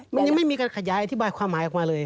มันยังไม่มีการขยายอธิบายความหมายออกมาเลย